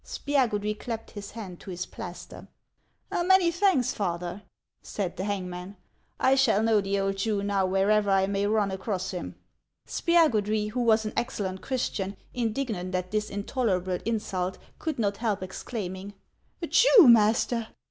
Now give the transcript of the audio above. Spiagudry clapped his hand to his plaster. " Many thanks, Father," said the hangman ;" I shall know the old Jew now, wherever I may run across him." 160 HANS OF ICELAND. Spiagudry, who was an excellent Christian, indignant at this intolerable insult, could not help exclaiming, " Jew, master